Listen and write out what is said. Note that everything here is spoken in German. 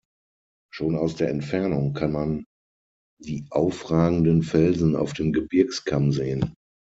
Schon aus der Entfernung kann man die aufragenden Felsen auf dem Gebirgskamm sehen.